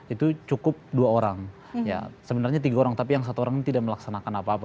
itu cukup dua orang sebenarnya tiga orang tapi yang satu orang ini tidak melaksanakan apa apa